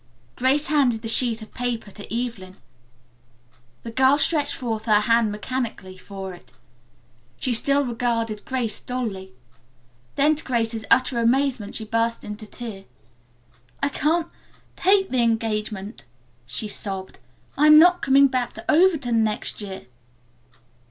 Grace handed the sheet of paper to Evelyn. The girl stretched forth her hand mechanically for it. She still regarded Grace dully. Then to Grace's utter amazement she burst into tears. "I can't take the engagement," she sobbed. "I'm not coming back to Overton next year."